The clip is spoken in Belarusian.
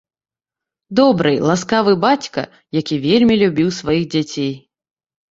Добры, ласкавы, бацька, які вельмі любіў сваіх дзяцей.